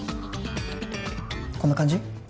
こんな感じ？